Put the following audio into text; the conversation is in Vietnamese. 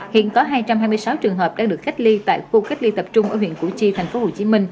hiện có hai trăm hai mươi sáu trường hợp đang được cách ly tại khu cách ly tập trung ở huyện củ chi tp hcm